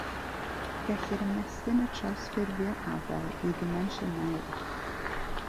Gellir ymestyn y trawsffurfio Abel i ddimensiynau uwch.